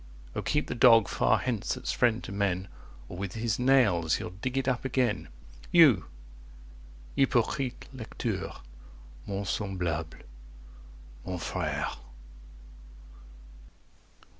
Oh keep the Dog far hence, that's friend to men, Or with his nails he'll dig it up again! 75 You! hypocrite lecteur!—mon semblable,—mon frère!"